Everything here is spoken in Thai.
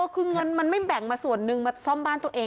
คือเงินมันไม่แบ่งมาส่วนหนึ่งมาซ่อมบ้านตัวเอง